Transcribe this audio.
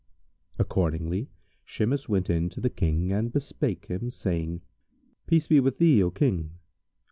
Accordingly, Shimas went in to the King and bespake him, saying, "Peace be with thee, O King!